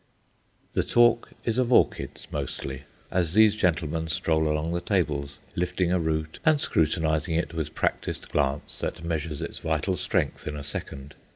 The talk is of orchids mostly, as these gentlemen stroll along the tables, lifting a root and scrutinizing it with practised glance that measures its vital strength in a second.